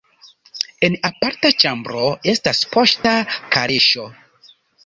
En aparta ĉambro estas poŝta kaleŝo.